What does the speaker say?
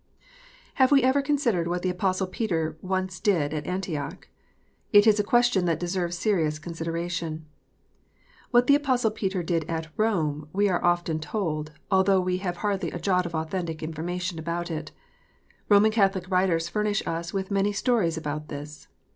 HAVE we ever considered what the Apostle Peter once did at Antioch 1 It is a question that deserves serious consideration. What the Apostle Peter did at Home we are often told, although we have hardly a jot of authentic information about it. Roman Catholic writers furnish us with many stories about this.